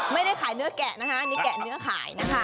ไม่ได้ขายเนื้อแกะนะคะอันนี้แกะเนื้อขายนะคะ